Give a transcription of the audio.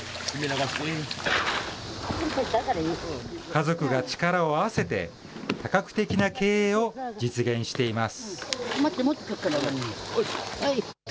家族が力を合わせて、多角的な経営を実現しています。